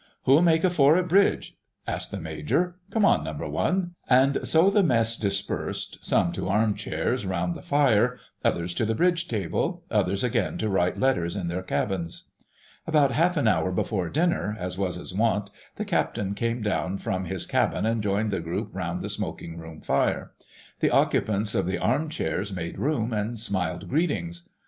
"Who'll make a four at Bridge?" asked the Major. "Come on, Number One," and so the Mess dispersed, some to arm chairs round the fire, others to the Bridge table, others again to write letters in their cabins. About half an hour before dinner, as was his wont, the Captain came down from his cabin and joined the group round the smoking room fire. The occupants of the arm chairs made room and smiled greetings.